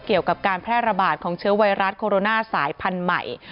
เกี่ยวกับการแพร่ระบาดของเชื้อไวรัสโคโรนาสายพันธุ์ใหม่